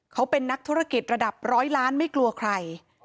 เขาเป็นนักธุรกิจระดับร้อยล้านไม่กลัวใคร